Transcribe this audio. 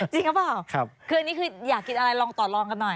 จริงหรือเปล่าคืออันนี้คืออยากกินอะไรลองต่อลองกันหน่อย